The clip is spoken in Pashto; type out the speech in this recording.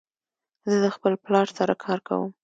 زه د خپل پلار سره کار کوم.